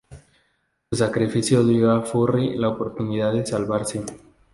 Su sacrificio dio a Fury la oportunidad de salvarse.